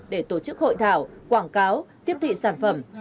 để tổ chức hội thảo quảng cáo tiếp thị sản phẩm